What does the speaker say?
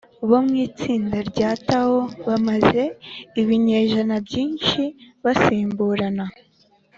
bo mu itsinda rya tao bamaze ibinyejana byinshi basimburana